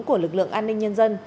của lực lượng an ninh nhân dân